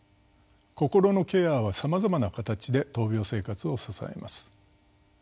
心のケアはさまざまな形で闘病生活を支えます。